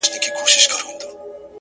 راسه دعا وكړو ـ